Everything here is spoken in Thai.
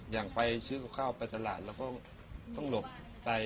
อย่างไปซื้อกับข้าวไปตลาดเราก็ต้องหลบไป